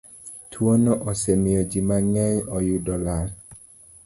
Twono osemiyo ji mang'eny oyudo lal.